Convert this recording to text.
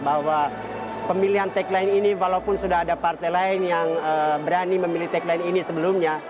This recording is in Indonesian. bahwa pemilihan tagline ini walaupun sudah ada partai lain yang berani memilih tagline ini sebelumnya